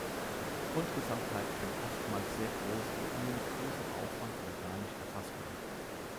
Grundgesamtheiten sind oftmals sehr groß und nur mit großem Aufwand oder gar nicht erfassbar.